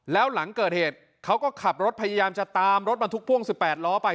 แล้วหลังเกิดเหตุเขาก็ขับรถพยายามจะตามรถบรรทุกพ่วง๑๘ล้อไป